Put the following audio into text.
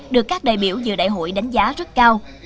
được các đại biểu dự đại hội đánh giá rất cao